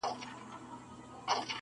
o خو هيڅ حل نه پيدا کيږي,